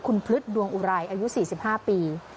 คุณพฤษดวงอุไรอายุ๔๕ปี